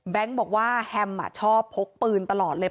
บอกว่าแฮมชอบพกปืนตลอดเลย